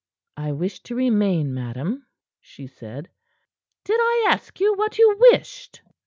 "I wish to remain, madam," she said. "Did I ask you what you wished?"